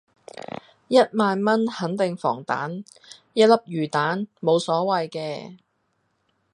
一萬蚊肯定防彈，一粒魚丸無所謂嘅